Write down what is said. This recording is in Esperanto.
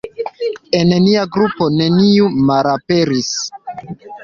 El nia grupo neniu malaperis!